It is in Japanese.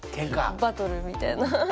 バトルみたいな。